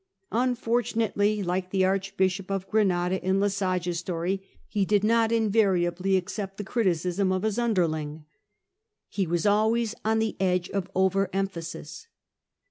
Unfortunately — like the Archbishop of Granada in Lesage's story — ^he did not invariably accept the criti cism of his underling. He was always on the edge of over emphasis.